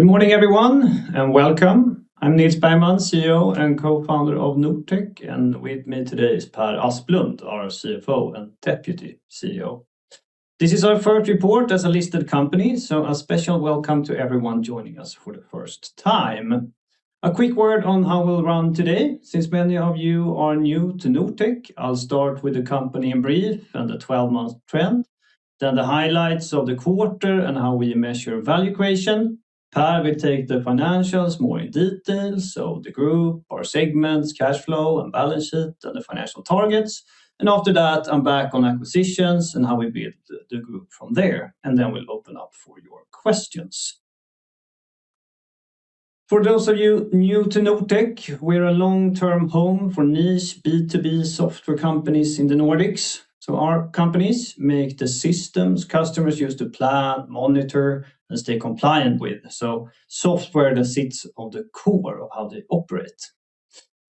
Good morning, everyone, and welcome. I'm Nils Bergman, CEO and Co-Founder of Nordtech, and with me today is Per Asplund, our CFO and Deputy CEO. This is our first report as a listed company, so a special welcome to everyone joining us for the first time. A quick word on how we'll run today. Since many of you are new to Nordtech, I'll start with the company in brief and the 12-month trend, then the highlights of the quarter and how we measure value creation. Per will take the financials more in detail, so the group, our segments, cash flow, and balance sheet, and the financial targets. After that, I'm back on acquisitions and how we build the group from there. Then we'll open up for your questions. For those of you new to Nordtech, we're a long-term home for niche B2B software companies in the Nordics. Our companies make the systems customers use to plan, monitor, and stay compliant with. Software that sits at the core of how they operate.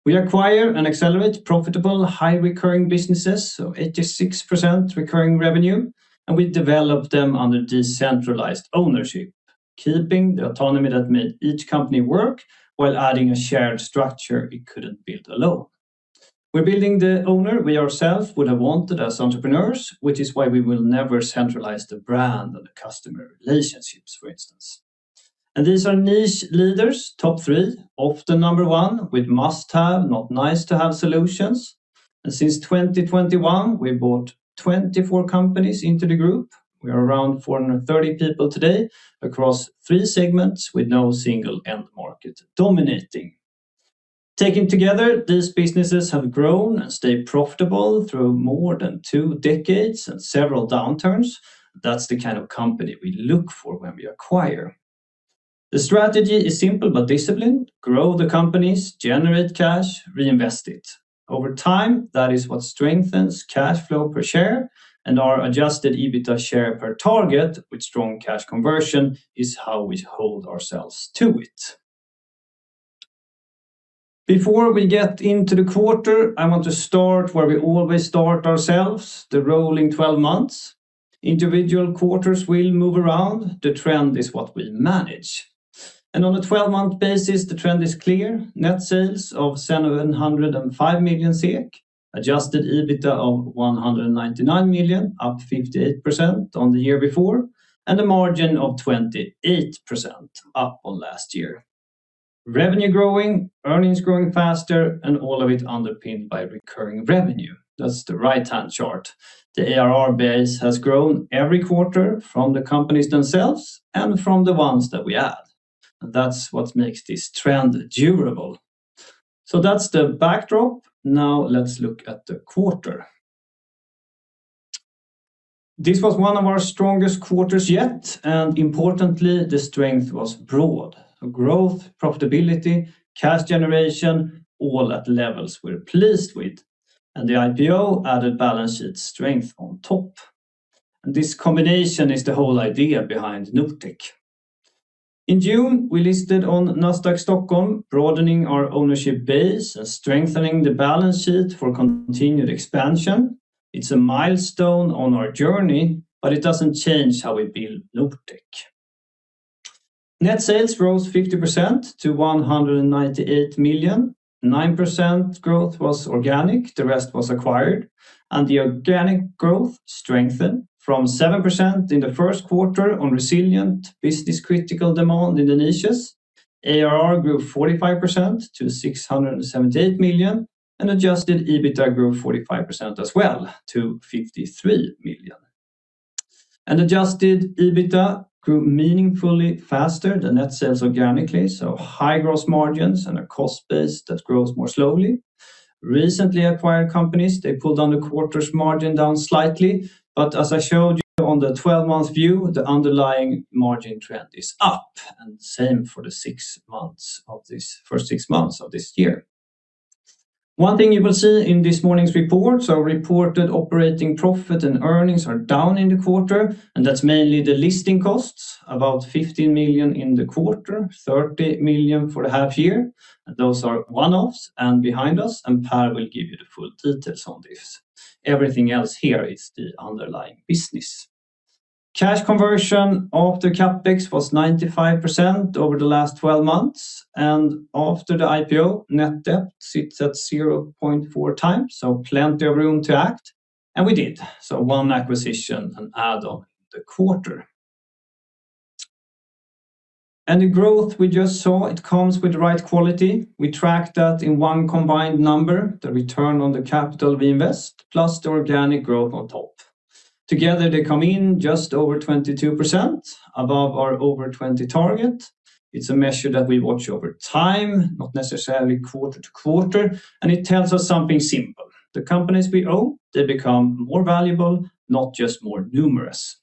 We acquire and accelerate profitable, high-recurring businesses, so 86% recurring revenue, and we develop them under decentralized ownership, keeping the autonomy that made each company work while adding a shared structure it couldn't build alone. We're building the owner we ourself would have wanted as entrepreneurs, which is why we will never centralize the brand and the customer relationships, for instance. These are niche leaders, top three, often number one, with must-have, not nice-to-have solutions. Since 2021, we bought 24 companies into the group. We are around 430 people today across three segments with no single end market dominating. Taken together, these businesses have grown and stayed profitable through more than two decades and several downturns. That's the kind of company we look for when we acquire. The strategy is simple but disciplined. Grow the companies, generate cash, reinvest it. Over time, that is what strengthens cash flow per share and our adjusted EBITA share per target with strong cash conversion is how we hold ourselves to it. Before we get into the quarter, I want to start where we always start ourselves, the rolling 12 months. Individual quarters will move around. The trend is what we manage. On a 12-month basis, the trend is clear. Net sales of 705 million SEK, adjusted EBITA of 199 million, up 58% on the year before, and a margin of 28% up on last year. Revenue growing, earnings growing faster, and all of it underpinned by recurring revenue. That's the right-hand chart. The ARR base has grown every quarter from the companies themselves and from the ones that we add. That's what makes this trend durable. That's the backdrop. Now let's look at the quarter. This was one of our strongest quarters yet, and importantly, the strength was broad. Growth, profitability, cash generation, all at levels we're pleased with. The IPO added balance sheet strength on top. This combination is the whole idea behind Nordtech. In June, we listed on Nasdaq Stockholm, broadening our ownership base and strengthening the balance sheet for continued expansion. It's a milestone on our journey, but it doesn't change how we build Nordtech. Net sales rose 50% to 198 million. 9% growth was organic, the rest was acquired, and the organic growth strengthened from 7% in the first quarter on resilient business-critical demand in the niches. ARR grew 45% to 678 million, and adjusted EBITA grew 45% as well to 53 million. Adjusted EBITA grew meaningfully faster than net sales organically, so high gross margins and a cost base that grows more slowly. Recently acquired companies, they pulled down the quarter's margin down slightly, but as I showed you on the 12-month view, the underlying margin trend is up, and same for the first six months of this year. One thing you will see in this morning's report, reported operating profit and earnings are down in the quarter, and that's mainly the listing costs, about 15 million in the quarter, 30 million for the half year. Those are one-offs and behind us, and Per will give you the full details on this. Everything else here is the underlying business. Cash conversion after CapEx was 95% over the last 12 months, and after the IPO, net debt sits at 0.4x, so plenty of room to act. We did. One acquisition and add on the quarter. The growth we just saw, it comes with the right quality. We track that in one combined number, the return on the capital we invest, plus the organic growth on top. Together, they come in just over 22%, above our over 20% target. It's a measure that we watch over time, not necessarily quarter-to-quarter, and it tells us something simple. The companies we own, they become more valuable, not just more numerous.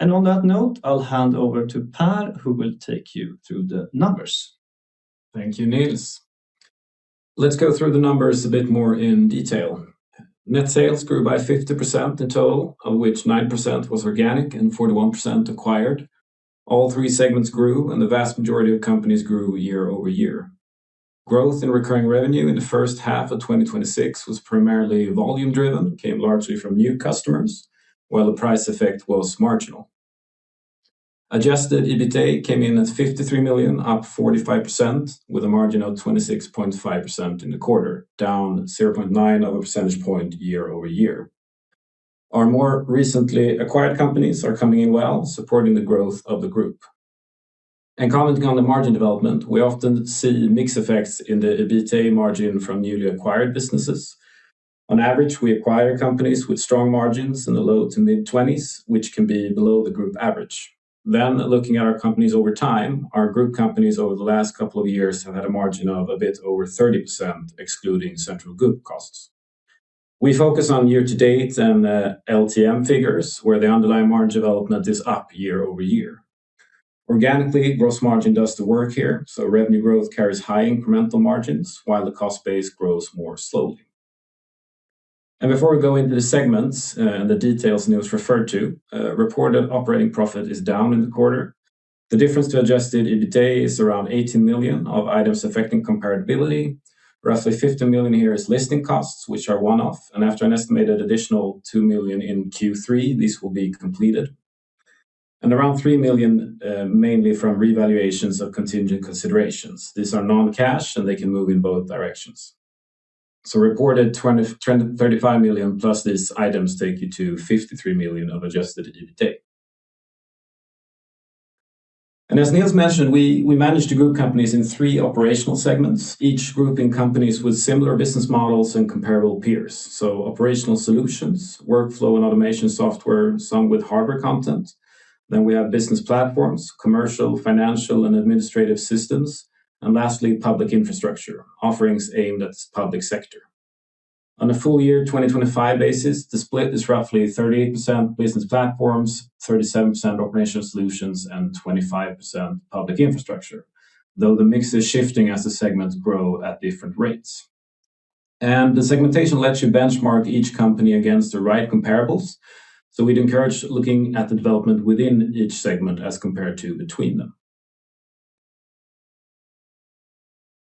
On that note, I'll hand over to Per, who will take you through the numbers. Thank you, Nils. Let's go through the numbers a bit more in detail. Net sales grew by 50% in total, of which 9% was organic and 41% acquired. All three segments grew, and the vast majority of companies grew year-over-year. Growth in recurring revenue in the first half of 2026 was primarily volume-driven, came largely from new customers, while the price effect was marginal. Adjusted EBITA came in at 53 million, up 45%, with a margin of 26.5% in the quarter, down 0.9 of a percentage point year-over-year. Our more recently acquired companies are coming in well, supporting the growth of the group. Commenting on the margin development, we often see mix effects in the EBITA margin from newly acquired businesses. On average, we acquire companies with strong margins in the low to mid-20s, which can be below the group average. Looking at our companies over time, our group companies over the last couple of years have had a margin of a bit over 30%, excluding central group costs. We focus on year to date and LTM figures, where the underlying margin development is up year-over-year. Organically, gross margin does the work here, so revenue growth carries high incremental margins, while the cost base grows more slowly. Before we go into the segments and the details Nils referred to, reported operating profit is down in the quarter. The difference to adjusted EBITA is around 18 million of items affecting comparability. Roughly 15 million here is listing costs, which are one-off, and after an estimated additional 2 million in Q3, these will be completed. Around 3 million, mainly from revaluations of contingent considerations. These are non-cash, and they can move in both directions. Reported 35 million plus these items take you to 53 million of adjusted EBITA. As Nils mentioned, we manage the group companies in three Operational Solutions segments, each grouping companies with similar business models and comparable peers. Operational Solutions, workflow and automation software, some with hardware content. We have Business Platforms, commercial, financial, and administrative systems. Lastly, Public Infrastructure, offerings aimed at public sector. On a full year 2025 basis, the split is roughly 38% Business Platforms, 37% Operational Solutions, and 25% Public Infrastructure, though the mix is shifting as the segments grow at different rates. The segmentation lets you benchmark each company against the right comparables. We'd encourage looking at the development within each segment as compared to between them.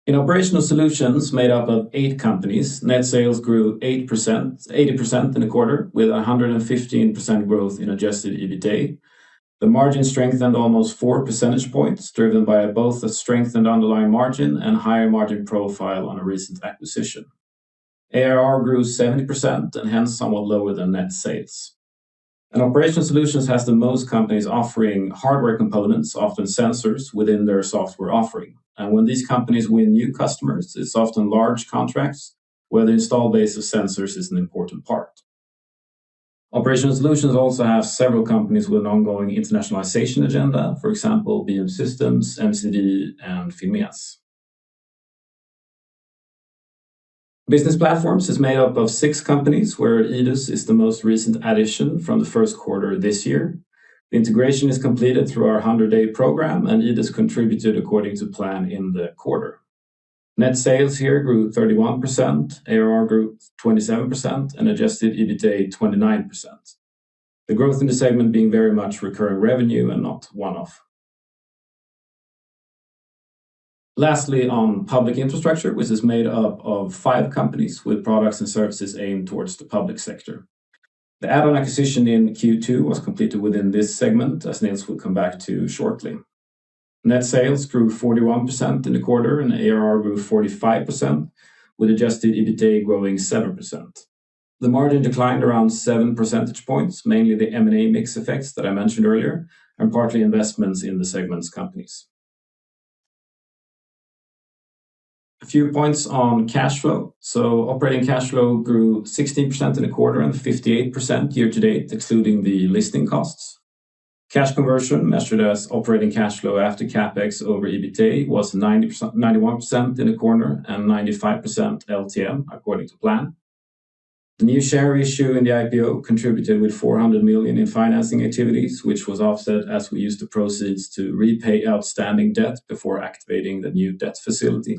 In Operational Solutions made up of eight companies, net sales grew 80% in the quarter, with 115% growth in adjusted EBITA. The margin strengthened almost 4 percentage points, driven by both the strengthened underlying margin and higher margin profile on a recent acquisition. ARR grew 70%, hence somewhat lower than net sales. Operational Solutions has the most companies offering hardware components, often sensors, within their software offering. When these companies win new customers, it's often large contracts where the install base of sensors is an important part. Operational Solutions also have several companies with an ongoing internationalization agenda. For example, BM Systems, MCD, and FinMeas. Business Platforms is made up of six companies, where Idus is the most recent addition from the first quarter of this year. The integration is completed through our 100-day program. Idus contributed according to plan in the quarter. Net sales here grew 31%, ARR grew 27%, adjusted EBITA 29%. The growth in the segment being very much recurring revenue and not one-off. Lastly, on Public Infrastructure, which is made up of five companies with products and services aimed towards the public sector. The add-on acquisition in Q2 was completed within this segment, as Nils will come back to shortly. Net sales grew 41% in the quarter, ARR grew 45%, with adjusted EBITA growing 7%. The margin declined around 7 percentage points, mainly the M&A mix effects that I mentioned earlier, partly investments in the segment's companies. A few points on cash flow. Operating cash flow grew 16% in the quarter and 58% year to date, excluding the listing costs. Cash conversion, measured as operating cash flow after CapEx over EBITA, was 91% in the quarter and 95% LTM, according to plan. The new share issue in the IPO contributed with 400 million in financing activities, which was offset as we used the proceeds to repay outstanding debt before activating the new debt facility.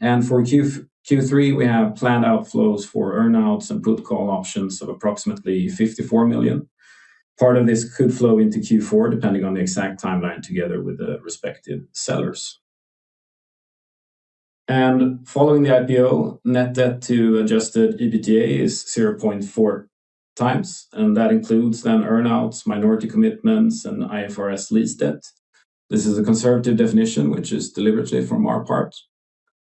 For Q3, we have planned outflows for earn-outs and put call options of approximately 54 million. Part of this could flow into Q4, depending on the exact timeline together with the respective sellers. Following the IPO, net debt to adjusted EBITA is 0.4x, that includes earn-outs, minority commitments, and IFRS lease debt. This is a conservative definition, which is deliberate from our part.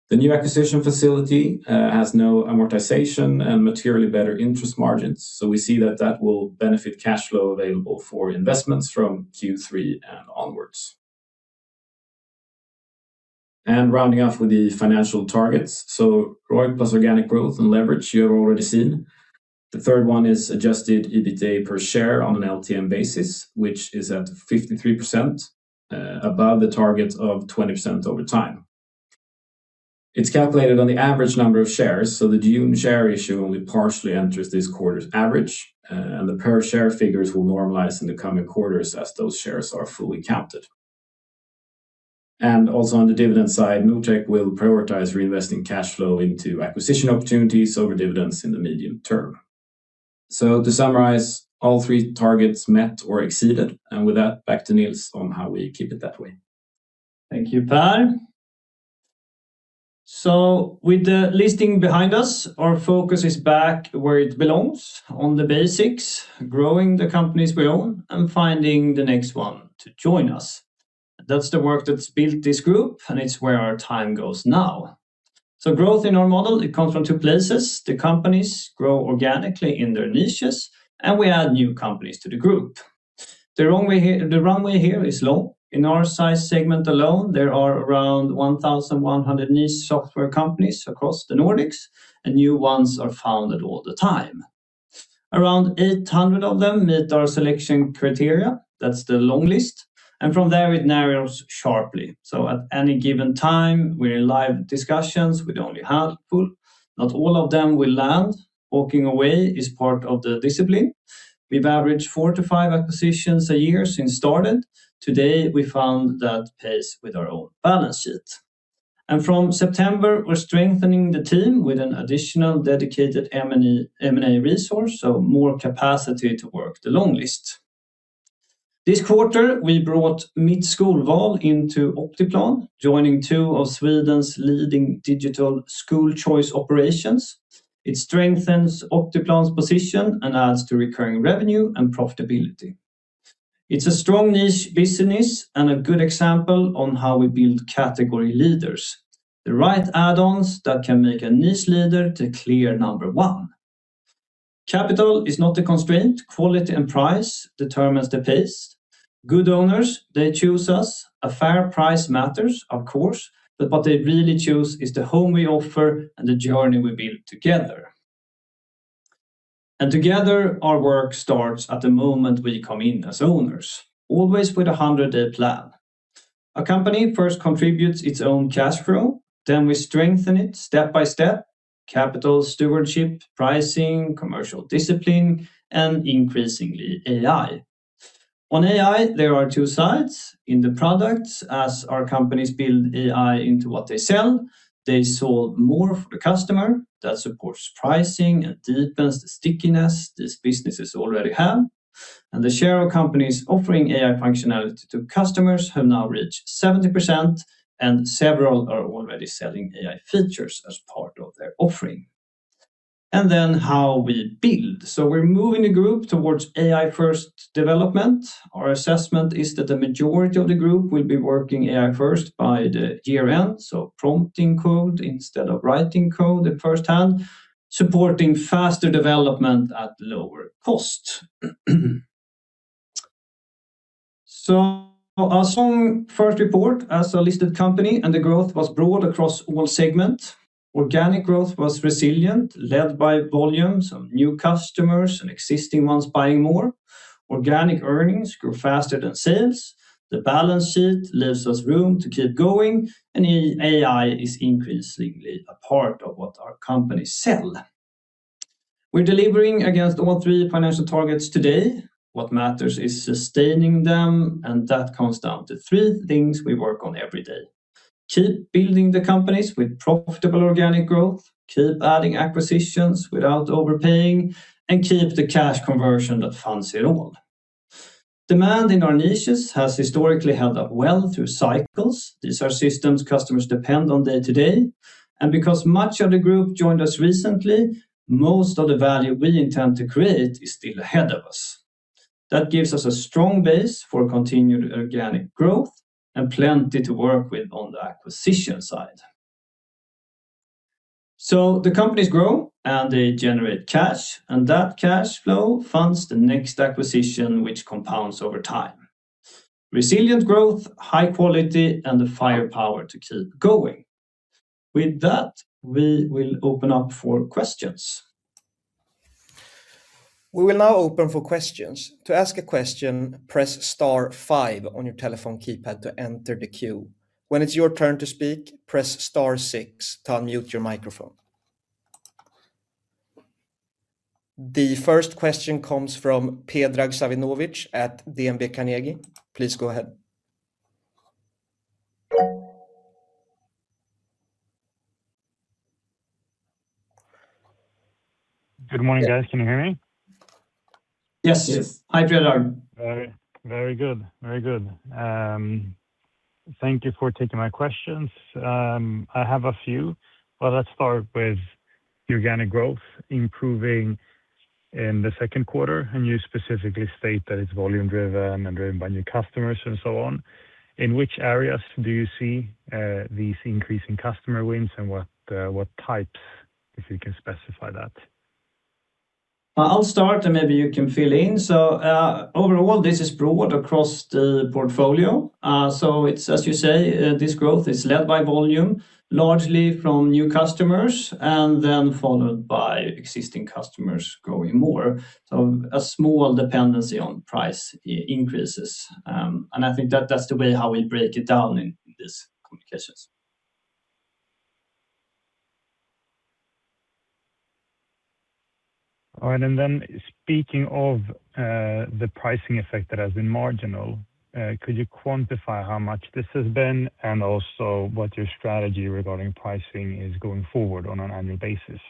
The new acquisition facility has no amortization and materially better interest margins. We see that that will benefit cash flow available for investments from Q3 and onwards. Rounding off with the financial targets. ROIC plus organic growth and leverage you have already seen. The third one is adjusted EBITA per share on an LTM basis, which is at 53%, above the target of 20% over time. It's calculated on the average number of shares, so the June share issue only partially enters this quarter's average, and the per share figures will normalize in the coming quarters as those shares are fully counted. Also on the dividend side, Nordtech will prioritize reinvesting cash flow into acquisition opportunities over dividends in the medium term To summarize, all three targets met or exceeded. With that, back to Nils on how we keep it that way. Thank you, Per. With the listing behind us, our focus is back where it belongs on the basics, growing the companies we own and finding the next one to join us. That's the work that's built this group, and it's where our time goes now. Growth in our model, it comes from two places. The companies grow organically in their niches, and we add new companies to the group. The runway here is long. In our size segment alone, there are around 1,100 niche software companies across the Nordics, and new ones are founded all the time. Around 800 of them meet our selection criteria. That's the long list, and from there it narrows sharply. At any given time, we're in live discussions with only a handful. Not all of them will land. Walking away is part of the discipline. We've averaged four to five acquisitions a year since started. Today, we found that pace with our own balance sheet. From September, we're strengthening the team with an additional dedicated M&A resource, so more capacity to work the long list. This quarter, we brought Mitt Skolval into Optiplan, joining two of Sweden's leading digital school choice operations. It strengthens Optiplan's position and adds to recurring revenue and profitability. It's a strong niche business and a good example on how we build category leaders. The right add-ons that can make a niche leader the clear number one. Capital is not a constraint. Quality and price determines the pace. Good owners, they choose us. A fair price matters, of course, but what they really choose is the home we offer and the journey we build together. Together our work starts at the moment we come in as owners, always with a 100-day plan. A company first contributes its own cash flow, we strengthen it step by step. Capital stewardship, pricing, commercial discipline, and increasingly AI. On AI, there are two sides in the products as our companies build AI into what they sell, they solve more for the customer that supports pricing and deepens the stickiness these businesses already have. The share of companies offering AI functionality to customers have now reached 70% and several are already selling AI features as part of their offering. How we build. We're moving the group towards AI-first development. Our assessment is that the majority of the group will be working AI-first by year-end, prompting code instead of writing code at firsthand, supporting faster development at lower cost. Our strong first report as a listed company. The growth was broad across all segments. Organic growth was resilient, led by volume, some new customers and existing ones buying more. Organic earnings grew faster than sales. The balance sheet leaves us room to keep going, and AI is increasingly a part of what our companies sell. We're delivering against all three financial targets today. What matters is sustaining them, and that comes down to three things we work on every day. Keep building the companies with profitable organic growth, keep adding acquisitions without overpaying, and keep the cash conversion that funds it all. Demand in our niches has historically held up well through cycles. These are systems customers depend on day-to-day, because much of the group joined us recently, most of the value we intend to create is still ahead of us. That gives us a strong base for continued organic growth and plenty to work with on the acquisition side. The companies grow, and they generate cash, and that cash flow funds the next acquisition, which compounds over time. Resilient growth, high quality, and the firepower to keep going. With that, we will open up for questions. We will now open for questions. To ask a question, press star five on your telephone keypad to enter the queue. When it's your turn to speak, press star six to unmute your microphone. The first question comes from Predrag Savinovic at DNB Carnegie. Please go ahead. Good morning, guys. Can you hear me? Yes. Yes. Hi, Predrag. Very good. Thank you for taking my questions. I have a few. Let's start with organic growth improving in the second quarter. You specifically state that it's volume-driven and driven by new customers and so on. In which areas do you see these increasing customer wins and what types, if you can specify that? I'll start. Maybe you can fill in. Overall, this is broad across the portfolio. It's as you say, this growth is led by volume, largely from new customers, followed by existing customers growing more. A small dependency on price increases. I think that's the way how we break it down in these communications. Speaking of the pricing effect that has been marginal, could you quantify how much this has been and also what your strategy regarding pricing is going forward on an annual basis?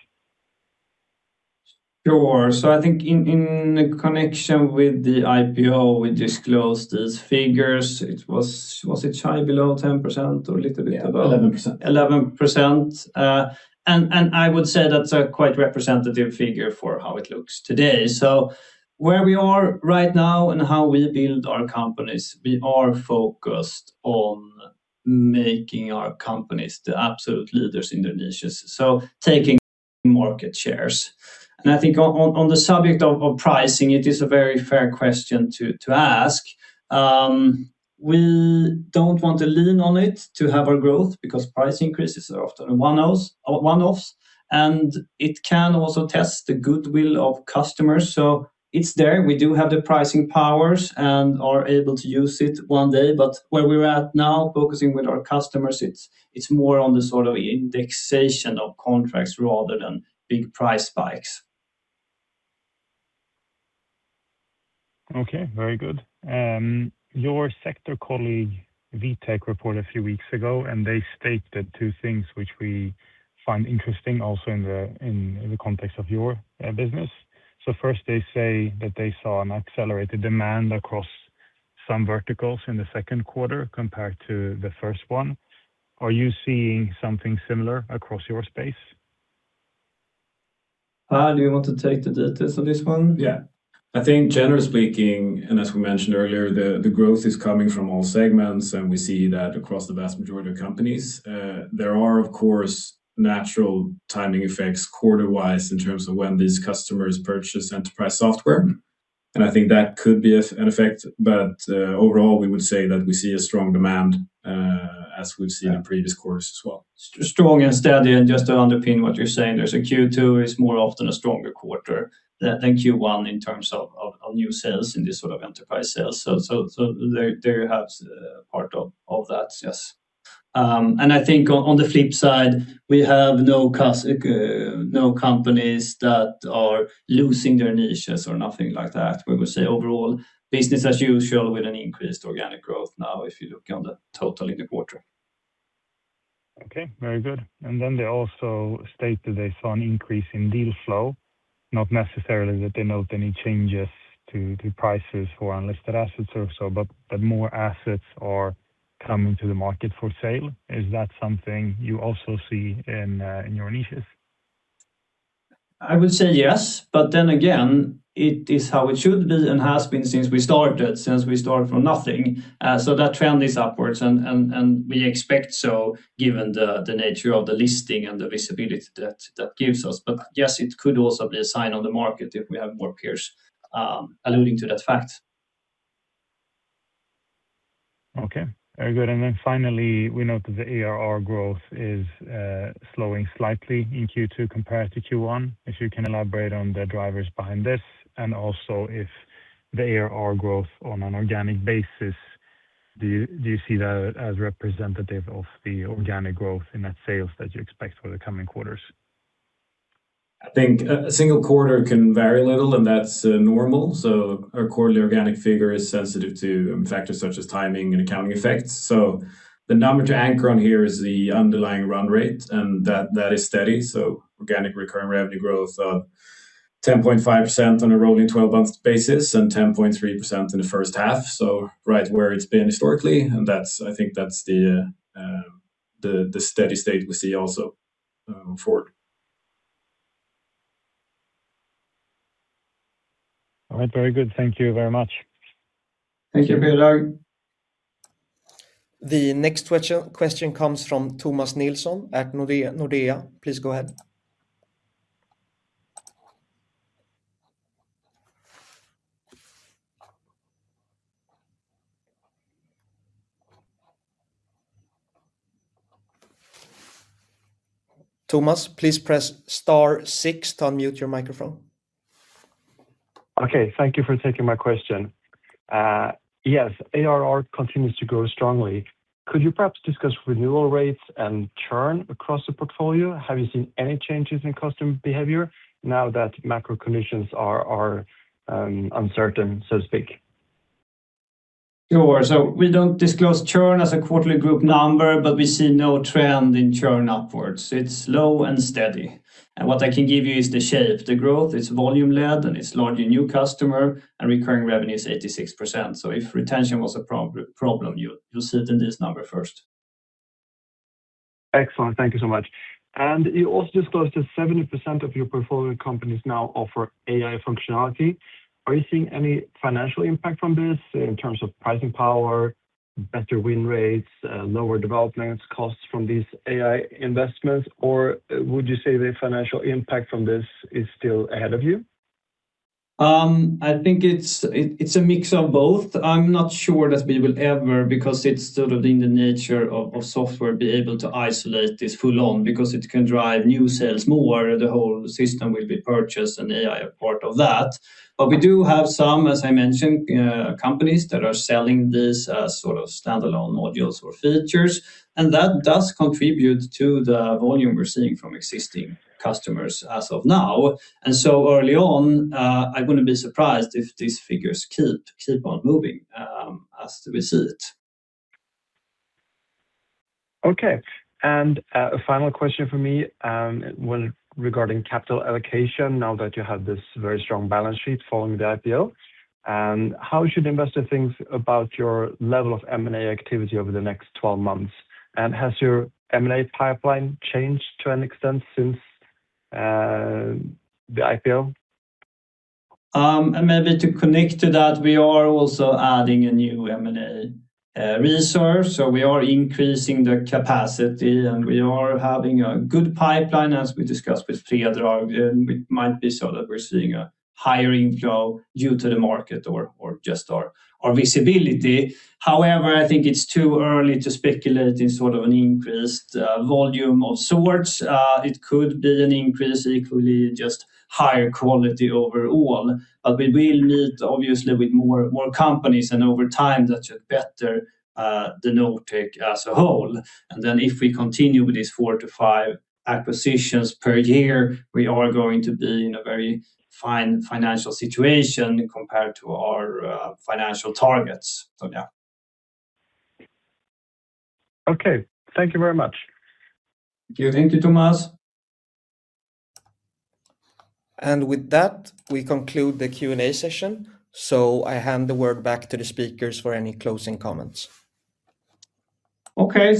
Sure. I think in connection with the IPO, we disclosed these figures. Was it shy below 10% or a little bit above? 11%. 11%. I would say that's a quite representative figure for how it looks today. Where we are right now and how we build our companies, we are focused on making our companies the absolute leaders in their niches. Taking market shares. I think on the subject of pricing, it is a very fair question to ask. We don't want to lean on it to have our growth because price increases are often one-offs, and it can also test the goodwill of customers. It's there. We do have the pricing powers and are able to use it one day. Where we're at now, focusing with our customers, it's more on the indexation of contracts rather than big price spikes. Okay. Very good. Your sector colleague Vitec reported a few weeks ago, they stated two things which we find interesting also in the context of your business. First they say that they saw an accelerated demand across some verticals in the second quarter compared to the first one. Are you seeing something similar across your space? Do you want to take the details of this one? Yes. I think generally speaking, as we mentioned earlier, the growth is coming from all segments and we see that across the vast majority of companies. There are, of course, natural timing effects quarter-wise in terms of when these customers purchase enterprise software. I think that could be an effect. Overall, we would say that we see a strong demand as we've seen in previous quarters as well. Strong and steady. Just to underpin what you are saying there, Q2 is more often a stronger quarter than Q1 in terms of new sales in this sort of enterprise sales. They are perhaps part of that. Yes. I think on the flip side, we have no companies that are losing their niches or nothing like that. We would say overall business as usual with an increased organic growth now if you look on the total in the quarter. Okay. Very good. They also stated they saw an increase in deal flow, not necessarily that they note any changes to prices for unlisted assets or so, that more assets are coming to the market for sale. Is that something you also see in your niches? I would say yes, then again, it is how it should be and has been since we started from nothing. That trend is upwards and we expect so given the nature of the listing and the visibility that that gives us. Yes, it could also be a sign on the market if we have more peers alluding to that fact. Okay. Very good. Finally, we note that the ARR growth is slowing slightly in Q2 compared to Q1. If you can elaborate on the drivers behind this, also if the ARR growth on an organic basis, do you see that as representative of the organic growth in net sales that you expect for the coming quarters? I think a single quarter can vary a little, and that's normal. Our quarterly organic figure is sensitive to factors such as timing and accounting effects. The number to anchor on here is the underlying run rate, and that is steady. Organic recurring revenue growth of 10.5% on a rolling 12 months basis and 10.3% in the first half. Right where it's been historically, and I think that's the steady state we see also forward. All right. Very good. Thank you very much. Thank you, Predrag. The next question comes from Thomas Nilsson at Nordea. Please go ahead. Thomas, please press star six to unmute your microphone. Okay. Thank you for taking my question. Yes, ARR continues to grow strongly. Could you perhaps discuss renewal rates and churn across the portfolio? Have you seen any changes in customer behavior now that macro conditions are uncertain, so to speak? Sure. We don't disclose churn as a quarterly group number, but we see no trend in churn upwards. It's slow and steady. What I can give you is the shape. The growth is volume-led, and it's largely new customer, and recurring revenue is 86%. If retention was a problem, you'd see it in this number first. Excellent. Thank you so much. You also disclosed that 70% of your portfolio companies now offer AI functionality. Are you seeing any financial impact from this in terms of pricing power, better win rates, lower development costs from these AI investments? Would you say the financial impact from this is still ahead of you? I think it's a mix of both. I'm not sure that we will ever, because it's in the nature of software, be able to isolate this full on because it can drive new sales more. The whole system will be purchased and AI a part of that. We do have some, as I mentioned, companies that are selling these as standalone modules or features, and that does contribute to the volume we're seeing from existing customers as of now. Early on, I wouldn't be surprised if these figures keep on moving as we see it. Okay. A final question from me regarding capital allocation now that you have this very strong balance sheet following the IPO. How should investors think about your level of M&A activity over the next 12 months? Has your M&A pipeline changed to an extent since the IPO? Maybe to connect to that, we are also adding a new M&A resource. We are increasing the capacity and we are having a good pipeline, as we discussed with Predrag. It might be so that we're seeing a higher inflow due to the market or just our visibility. However, I think it's too early to speculate in an increased volume of sorts. It could be an increase equally just higher quality overall. We will meet obviously with more companies and over time that should better the Nordtech as a whole. If we continue with these four to five acquisitions per year, we are going to be in a very fine financial situation compared to our financial targets. Yeah. Okay. Thank you very much. Thank you, Thomas. With that, we conclude the Q&A session. I hand the word back to the speakers for any closing comments. Okay.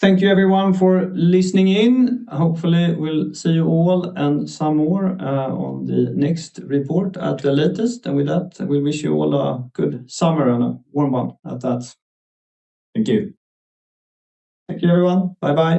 Thank you everyone for listening in. Hopefully we'll see you all and some more on the next report at the latest. With that, we wish you all a good summer and a warm one at that. Thank you. Thank you everyone. Bye-bye.